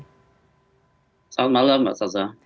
selamat malam mbak saza